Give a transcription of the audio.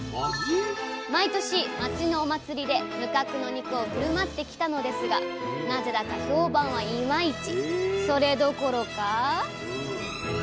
毎年町のお祭りで無角の肉を振る舞ってきたのですがなぜだか評判はイマイチ。